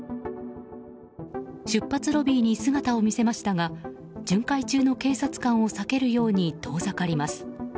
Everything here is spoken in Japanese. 出発ロビーに姿を見せましたが巡回中の警察官を避けるように遠ざかります。